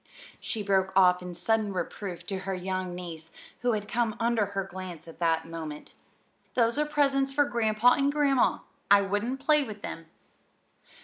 she broke off in sudden reproof to her young niece, who had come under her glance at that moment. "Those are presents for Grandpa and Grandma. I wouldn't play with them."